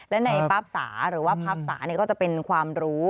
และในปราบศาหรือว่าปราบศานี่ก็จะเป็นความรู้